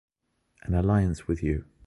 An alliance with you.